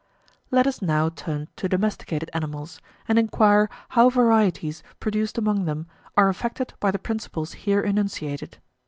Let us now turn to domesticated animals, and inquire how varieties produced among them are affected by the principles here enunciated.